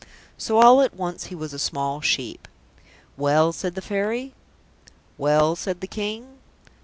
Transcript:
So all at once he was a small sheep. "Well?" said the Fairy. "Well?" said the King.